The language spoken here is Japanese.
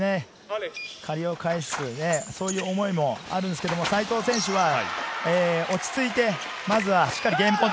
借りを返す、そういう思いもあるんですが、西藤選手は、落ち着いてますがゲームポイント。